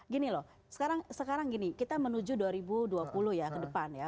gini loh sekarang gini kita menuju dua ribu dua puluh ya ke depan ya